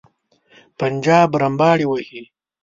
پنجاب رمباړې وهي.